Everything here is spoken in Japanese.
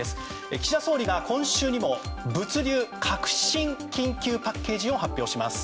岸田総理が今週にも物流革新緊急パッケージを発表します。